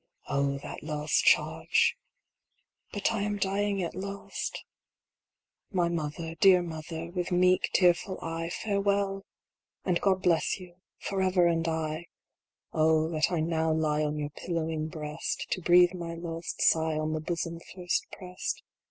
Oh, that last charge ! But I am dying at last ! My mother, dear mother, with meek, tearful eye, Farewell ! and God bless you, forever and aye ! Oh, that I now lie on your pillowing breast, To breathe my last sigh on the bosom first prest